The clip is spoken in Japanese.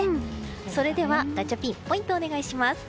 それではガチャピンポイントお願いします。